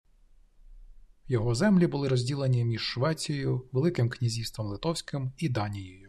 Його землі були розділені між Швецією, великим князівством Литовським і Данією